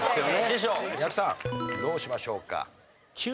やくさんどうしましょうか？